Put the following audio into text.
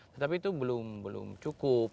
tetapi itu belum cukup